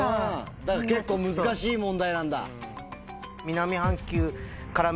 だから結構難しい問題なんだ。